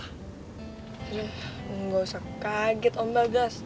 nih nggak usah kaget om bagas